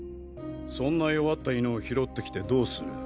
そんな弱った犬を拾ってきてどうする。